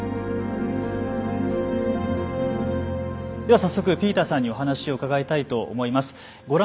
では早速ピーターさんにお話を伺いたいと思います。